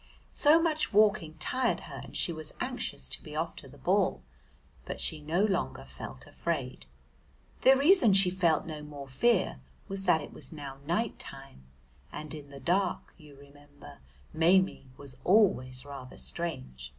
So much walking tired her and she was anxious to be off to the ball, but she no longer felt afraid. The reason she felt no more fear was that it was now night time, and in the dark, you remember, Maimie was always rather strange.